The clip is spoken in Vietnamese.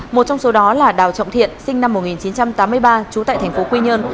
một trong số đó là đào trọng thiện sinh năm một nghìn chín trăm tám mươi ba trú tại thành phố quy nhơn